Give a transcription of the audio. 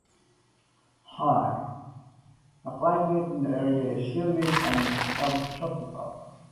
The climate in the area is humid and subtropical.